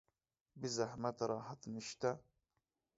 بې زحمت راحت نشته